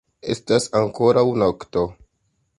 Estas ankoraŭ nokto.